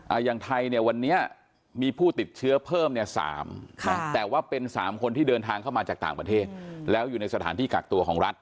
อย่างไทยเนี่ยวันนี้มีผู้ติดเชื้อเพิ่มเนี่ยสามค่ะแต่ว่าเป็นสามคนที่เดินทางเข้ามาจากต่างประเทศแล้วอยู่ในสถานที่กักตัวของรัฐ